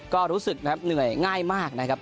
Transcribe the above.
ก็รู้สึกนะครับเหนื่อยง่ายมากนะครับ